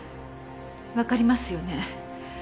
わかりますよね？